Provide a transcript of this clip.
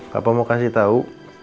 papa mau kasih tau